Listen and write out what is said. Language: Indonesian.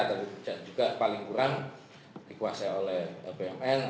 dan juga paling kurang dikuasai oleh bumn